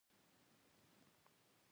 تیمورشاه هم زما سره خواخوږي ښودلې ده.